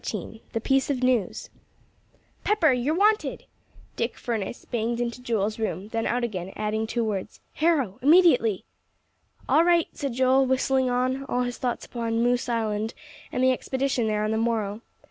XXIV THE PIECE OF NEWS "Pepper, you're wanted!" Dick Furness banged into Joel's room, then out again, adding two words, "Harrow immediately." "All right," said Joel, whistling on; all his thoughts upon "Moose Island" and the expedition there on the morrow.